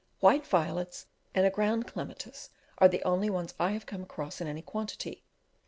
White violets and a ground clematis are the only ones I have come across in any quantity.